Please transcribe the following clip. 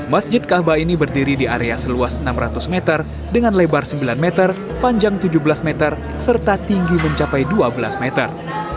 masjid kaabah ini berdiri di area seluas enam ratus meter dengan lebar sembilan meter panjang tujuh belas meter serta tinggi mencapai dua belas meter